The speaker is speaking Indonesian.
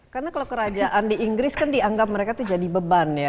karena kalau kerajaan di inggris kan dianggap mereka itu jadi beban ya